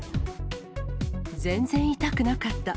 全然痛くなかった。